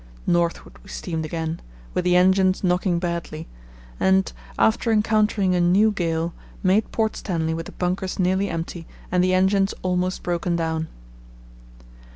Northward we steamed again, with the engines knocking badly, and after encountering a new gale, made Port Stanley with the bunkers nearly empty and the engines almost broken down.